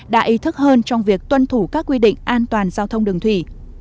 đã ý thức hơn trong việc tuân thủ các quy định an toàn giao thông đường thủy